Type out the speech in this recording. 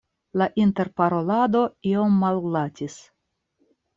La interparolado iom malglatis.